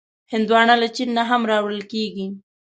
هندوانه له چین نه هم راوړل کېږي.